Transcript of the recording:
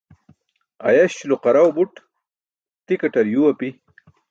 Ayaś lo qaraw buṭ, tikaṭar yuu api.